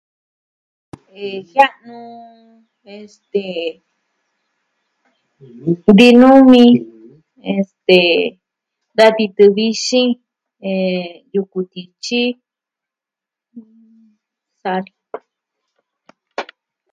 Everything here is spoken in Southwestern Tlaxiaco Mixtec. Jia'nu, este... tinumi, este... da titɨ vixin, eh... yuku tityi. Saa ni.